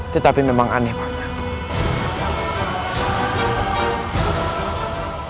tetapi memang aneh banget